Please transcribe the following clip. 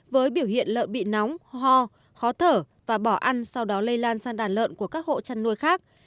với biểu hiện lợn bị nóng ho khó thở và bỏ ăn sau đó lây lan sang đàn lợn của các hộ chăn nuôi khác